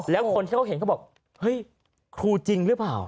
แล้วคนที่เขาเห็นเขาบอกเฮ้ยครูจริงหรือเปล่า